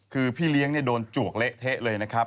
คือพี่เลี้ยงโดนจวกเละเทะเลยนะครับ